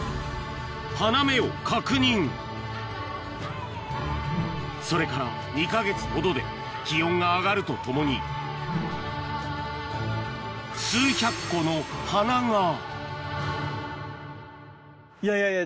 花芽を確認それから２か月ほどで気温が上がるとともにいやいやいや